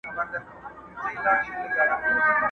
جادو ګر کړلې نارې ویل یې خدایه!.